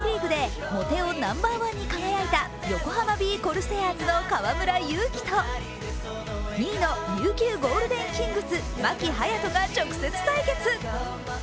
バスケのＢリーグでモテ男ナンバーワンに輝いた横浜ビー・コルセアーズの河村勇輝と２位の琉球ゴールデンキングス牧隼利が直接対決。